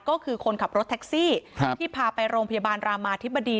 ก็คือคนขับรถแท็กซี่ที่พาไปโรงพยาบาลรามาธิบดี